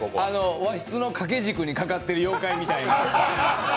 和室の掛け軸にかかってる妖怪みたいな。